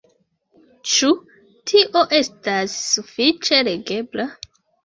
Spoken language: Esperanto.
Ĉu tio estas sufiĉe legebla?